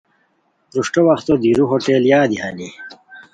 پروشٹو وختو دیرو ہوٹل یادی ہانی